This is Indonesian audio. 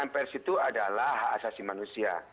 dan jurnalis itu adalah hak asasi manusia